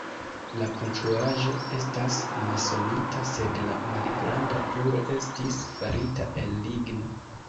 La konstruaĵo estas masonita, sed la malgranda turo estis farita el ligno.